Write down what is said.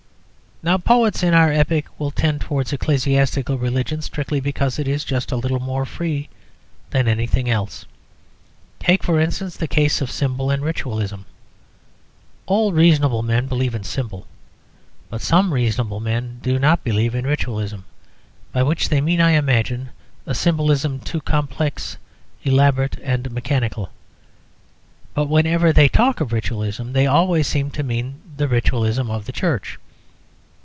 Now, poets in our epoch will tend towards ecclesiastical religion strictly because it is just a little more free than anything else. Take, for instance, the case of symbol and ritualism. All reasonable men believe in symbol; but some reasonable men do not believe in ritualism; by which they mean, I imagine, a symbolism too complex, elaborate, and mechanical. But whenever they talk of ritualism they always seem to mean the ritualism of the Church.